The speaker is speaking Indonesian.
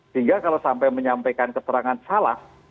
sehingga kalau sampai menyampaikan keterangan salah